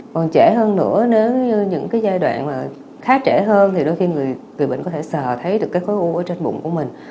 còn trễ hơn nữa nếu như những cái giai đoạn khá trễ hơn thì đôi khi người bệnh có thể sờ thấy được cái khối u ở trên bụng của mình